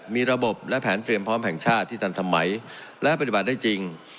มีระบบและแผนเตรียมพร้อมแห่งชาติที่ทันสมัยและปฏิบัติได้จริง